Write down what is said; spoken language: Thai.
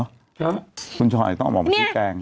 ครับคุณชอยต้องออกมาชี้แจงนะ